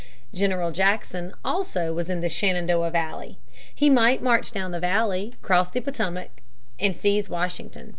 General Jackson also was in the Shenandoah Valley. He might march down the Valley, cross the Potomac, and seize Washington.